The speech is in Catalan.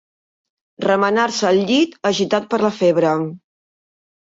Remenar-se al llit, agitat per la febre.